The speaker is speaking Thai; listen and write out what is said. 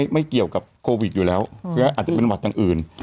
ไม่เกี่ยวกับโควิดอยู่แล้วก็อาจจะเป็นหวัดอย่างอื่น